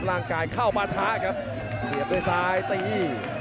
เข้ามาท้าครับเสียบด้วยซ้ายตี